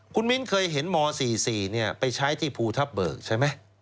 คุณมิ้นเคยเห็นม๔๔ไปใช้ที่ภูทับเบิกใช่ไหม